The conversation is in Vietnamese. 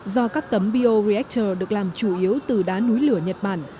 do các tấm bioreactor được làm chủ yếu từ đá núi lửa nhật bản